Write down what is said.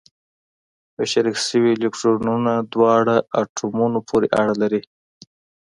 په شریک شوي الکترونونه دواړو اتومونو پورې اړه لري.